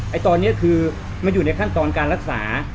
ตอนนี้คือมันอยู่ในขั้นตอนการรักษา